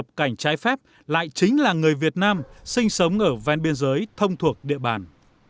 nhập cảnh trái phép lại chính là người việt nam sinh sống ở ven biên giới thông thuộc địa bàn